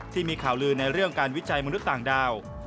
ที่มีข่าวลือในเรื่องการวิจัยมนุษย์ต่างดาว